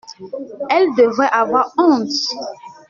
Elles devraient avoir honte!